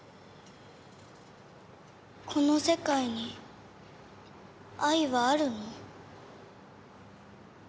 この世界に愛はあるの？